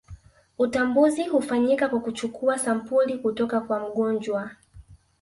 Utambuzi hufanyika kwa kuchukua sampuli kutoka kwa mgonjwa